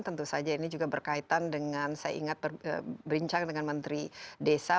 tentu saja ini juga berkaitan dengan saya ingat berincang dengan menteri desa